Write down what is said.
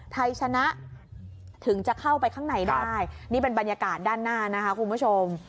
ไทยชนะถึงจะเข้าไปข้างในได้นี่เป็นบรรยากาศด้านหน้านะคะคุณผู้ชม